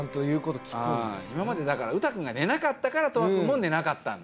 今までだからうた君が寝なかったからとわ君も寝なかったんだ。